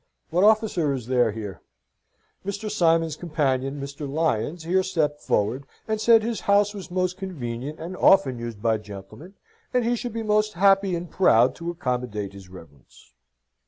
What officer is there here?" Mr. Simons's companion, Mr. Lyons, here stepped forward, and said his house was most convenient, and often used by gentlemen, and he should be most happy and proud to accommodate his reverence.